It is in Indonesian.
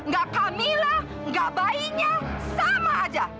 gak kamila gak bayinya sama aja